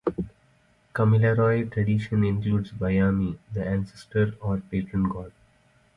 Kamilaroi tradition includes Baiame, the ancestor or patron god.